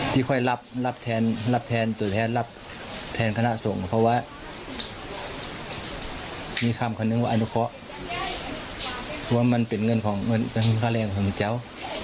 ที่ค่อยรับแทนขณะส่งเพราะว่ามันเป็นความแรงของเจ้า